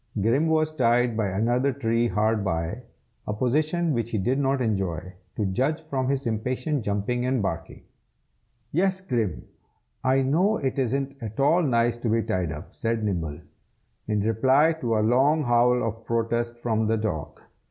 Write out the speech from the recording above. Grim was tied to another tree hard by, a position which he did not enjoy, to judge from his impatient jumping and barking. "Yes, Grim, I know it isn't at all nice to be tied up!" said Nibble, in reply to a long howl of protest from the dog.